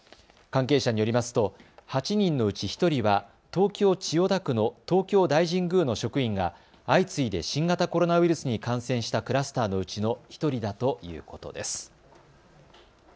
関係者によりますと８人のうち１人は東京千代田区の東京大神宮の職員が相次いで新型コロナウイルスに感染したクラスターのうちの１人だということです。